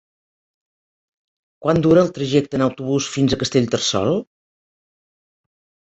Quant dura el trajecte en autobús fins a Castellterçol?